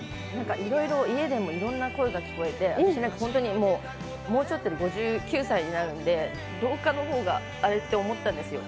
いろいろ家でもいろんな声が聞こえてきて、もうすぐ５９歳になるんで老化の方があれって思ったんですよ。